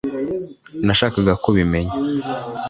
nashakaga ko ubimenya